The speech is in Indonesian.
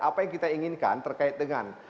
apa yang kita inginkan terkait dengan